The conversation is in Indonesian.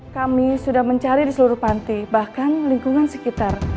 kami sudah mencari di seluruh panti bahkan lingkungan sekitar